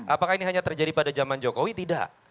apakah ini hanya terjadi pada zaman jokowi tidak